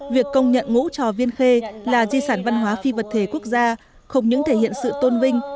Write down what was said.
việc công nhận ngũ trò viên khê là di sản văn hóa phi vật thể quốc gia không những thể hiện sự tôn vinh